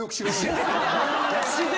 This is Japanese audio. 自然！